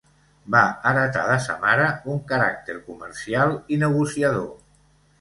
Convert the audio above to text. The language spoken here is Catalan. Va heretar de sa mare un caràcter comercial i negociador.